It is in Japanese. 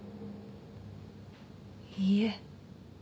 いいえ。